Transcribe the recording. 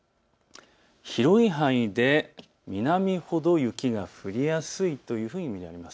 広い範囲で南ほど雪が降りやすいというふうになります。